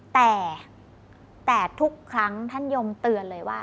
แต่ทุกครั้งท่านยมเตือนเลยว่า